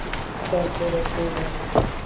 دا توری "پ" دی.